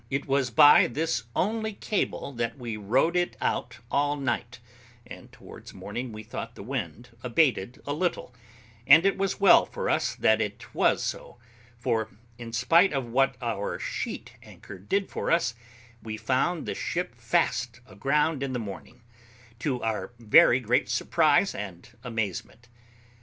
It was by this only cable that we rode it out all night; and towards morning we thought the wind abated a little; and it was well for us that it was so, for, in spite of what our sheet anchor did for us, we found the ship fast aground in the morning, to our very great surprise and amazement.